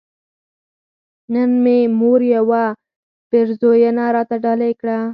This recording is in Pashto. نن مې مور يوه پيرزوينه راته ډالۍ کړه